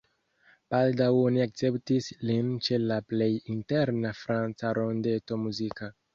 Baldaŭ oni akceptis lin ĉe la plej interna franca rondeto muzika.